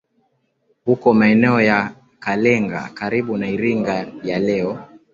huko maeneo ya Kalenga karibu na Iringa ya leo